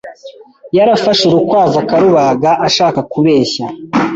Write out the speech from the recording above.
yarafashe urukwavu akarubaga ashaka kubeshya